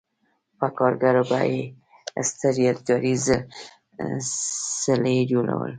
په کارګرو به یې ستر یادګاري څلي جوړول.